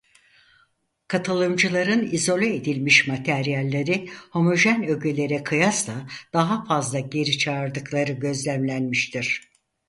Katılımcıların izole edilmiş materyalleri homojen ögelere kıyasla daha fazla geri çağırdıkları gözlemlenmiştir.